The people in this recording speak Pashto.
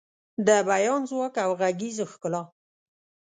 د بیان ځواک او غږیز ښکلا